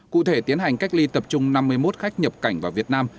cụ thể tiến hành cách ly tập trung năm mươi một khách nhập cảnh vào việt nam